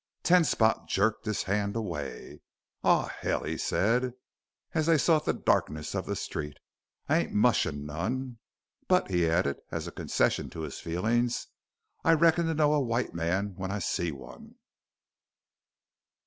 Ten Spot jerked his hand away. "Aw, hell!" he said as they sought the darkness of the street, "I ain't mushin' none. But," he added, as a concession to his feelings, "I reckon to know a white man when I see one!"